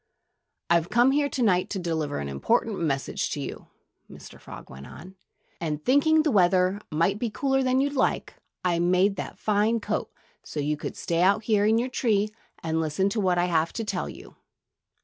"I've come here to night to deliver an important message to you," Mr. Frog went on. "And thinking the weather might be cooler than you liked, I made you that fine coat so you could stay out here in your tree and listen to what I have to tell you....